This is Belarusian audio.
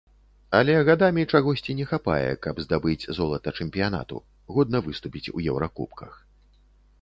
Але гадамі чагосьці не хапае, каб здабыць золата чэмпіянату, годна выступіць у еўракубках.